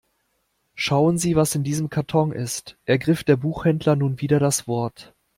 Schauen Sie, was in diesem Karton ist, ergriff der Buchhändler nun wieder das Wort.